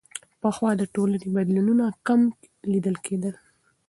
پخوا د ټولنې بدلونونه کم لیدل کېدل.